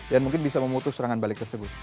dan mungkin bisa memutus serangan balik tersebut